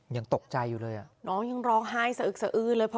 ยังตกใจอยู่เลยอ่ะน้องยังร้องไห้สะอึกสะอื้นเลย